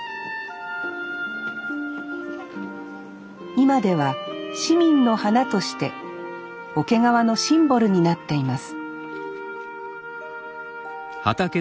今では市民の花として桶川のシンボルになっています